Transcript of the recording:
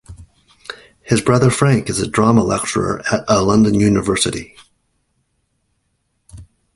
His brother, Frank, is a drama lecturer at a London university.